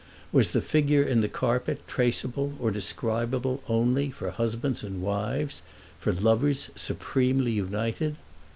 Was the figure in the carpet traceable or describable only for husbands and wives—for lovers supremely united?